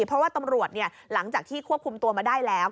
เพราะว่าตำรวจหลังจากที่ควบคุมตัวมาได้แล้ว